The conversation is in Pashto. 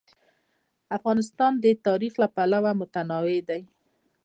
افغانستان د تاریخ له پلوه متنوع دی.